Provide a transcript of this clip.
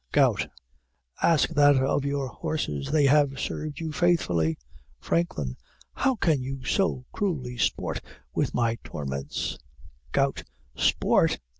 GOUT. Ask that of your horses; they have served you faithfully. FRANKLIN. How can you so cruelly sport with my torments? GOUT. Sport!